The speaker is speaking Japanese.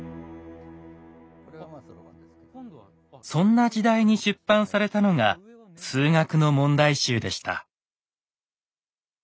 そんな時代に出版されたのが数学の問題集でした。